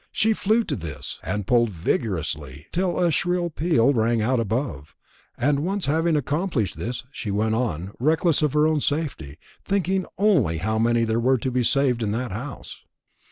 She flew to this, and pulled it vigorously till a shrill peal rang out above; and once having accomplished this, she went on, reckless of her own safety, thinking only how many there were to be saved in that house.